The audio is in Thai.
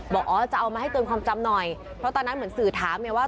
บอกอ๋อจะเอามาให้เตือนความจำหน่อยเพราะตอนนั้นเหมือนสื่อถามไงว่า